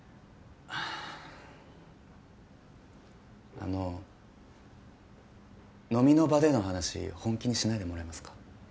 あの飲みの場での話本気にしないでもらえますか？